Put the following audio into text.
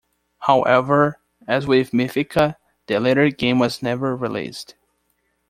However, as with Mythica, the latter game was never released.